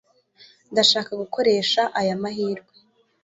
Ndashaka gukoresha aya mahirwe.